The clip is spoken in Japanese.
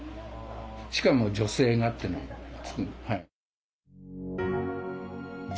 しかも女性がってのが。